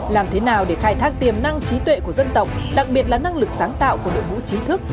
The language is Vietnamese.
làm thế nào để khai thác tiềm năng trí tuệ của dân tộc đặc biệt là năng lực sáng tạo của đội ngũ trí thức